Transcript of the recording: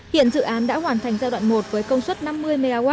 hiện dự án đã hoàn thành giai đoạn một với công suất năm mươi mw